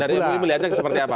dari mui melihatnya seperti apa